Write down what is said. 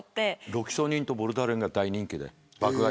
ロキソニンとボルタレンが大人気だよ。